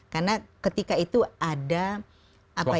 karena ketika itu ada apa ya